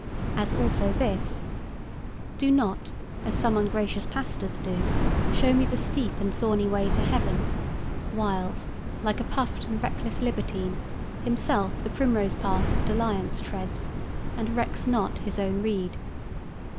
As also this: "Do not, as some ungracious pastors do, Show me the steep and thorny way to heaven, Whiles, like a puffed and reckless libertine, Himself the primrose path of dalliance treads, And recks not his own rede."